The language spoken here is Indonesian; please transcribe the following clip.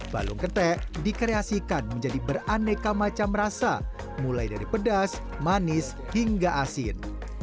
balung ketek dikreasikan menjadi beraneka macam rasa mulai dari pedas manis hingga asin